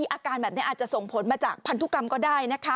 อาการแบบนี้อาจจะส่งผลมาจากพันธุกรรมก็ได้นะคะ